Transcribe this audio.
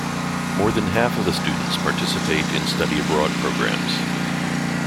More than half of the students participate in study abroad programs.